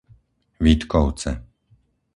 Vítkovce